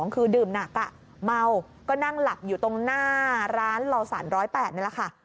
คือดื่มหนักเมาก็นั่งหลับอยู่ตรงหน้าร้านลอสัน๑๐๘นี่แหละค่ะ